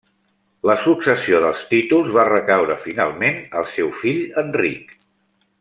La successió dels títols va recaure finalment al seu fill Enric.